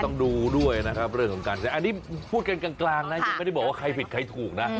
ต้องดูด้วยนะครับเรื่องของการใช้อันนี้พูดกันกลางนะยังไม่ได้บอกว่าใครผิดใครถูกนะ